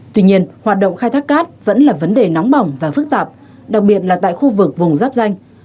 tuy nhiên hoạt động khai thác cát vẫn là vấn đề nóng bỏng và phức tạp đặc biệt là tại khu vực vùng giáp danh